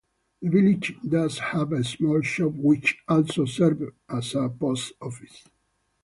The village does have a small shop which also serves as a Post Office.